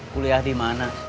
kuliah di mana